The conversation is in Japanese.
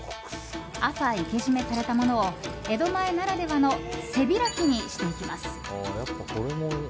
朝、生け締めされたものを江戸前ならではの背開きにしていきます。